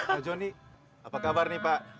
pak joni apa kabar nih pak